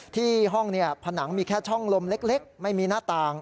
ที่ห้องผนังมีแค่ช่องลมเล็กไม่มีหน้าต่าง